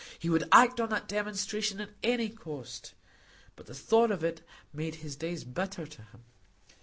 He would act on that demonstration at any cost; but the thought of it made his days bitter to him.